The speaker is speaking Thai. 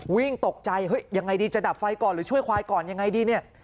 วิ่งตกใจเฮ้ยยังไงดีจะดับไฟก่อนหรือช่วยควายก่อนยังไงดีเนี่ย